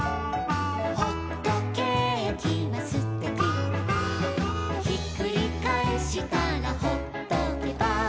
「ほっとけーきはすてき」「ひっくりかえしたらほっとけば」